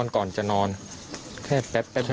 สำหรับ